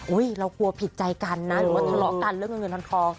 เรากลัวผิดใจกันนะหรือว่าทะเลาะกันเรื่องเงินเงินทอง